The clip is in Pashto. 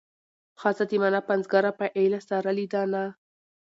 ښځه د مانا پنځګره فاعله سرلې ده نه